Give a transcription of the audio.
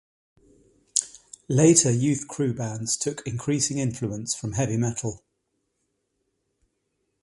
Later youth crew bands took increasing influence from heavy metal.